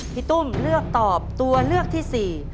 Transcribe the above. พี่ตุ้มเลือกตอบตัวเลือกที่๔